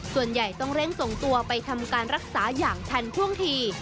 ส่วนใหญ่ต้องเร่งส่งตัวไปทำการรักษาอย่างทันท่วงที